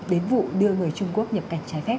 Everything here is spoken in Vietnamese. đến vụ đưa người trung quốc nhập cảnh trái phép